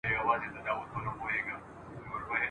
خو شعر په مشخصه او ټاکلې ژبه لیکل کیږي !.